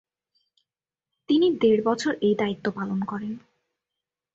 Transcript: তিনি দেড় বছর এই দায়িত্ব পালন করেন।